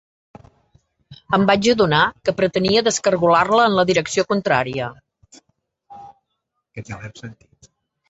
Em vaig adonar que pretenia descargolar-la en la direcció contrària